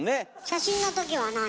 写真の時は何？